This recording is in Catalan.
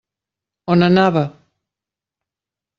On anava?